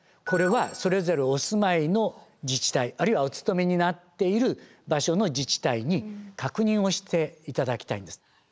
これはそれぞれお住まいの自治体あるいはお勤めになっている場所の自治体に確認をして頂きたいんです。